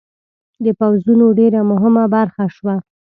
د پوځونو ډېره مهمه برخه شوه.